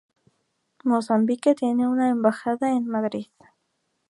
Mozambique tiene una embajada en Madrid.